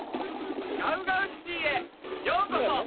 ガウガウシティーへようこそ。